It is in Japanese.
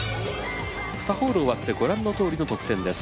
ふたホール終わってご覧のとおりの得点です。